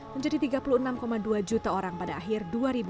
menjadi tiga puluh enam dua juta orang pada akhir dua ribu dua puluh